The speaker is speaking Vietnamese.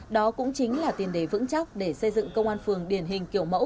đó cũng chính là tiền đề vững chắc để xây dựng công an phường điển hình kiểu mẫu